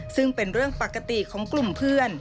ซึ่งเป็นเรื่องปกติของกลุ่มเพื่อน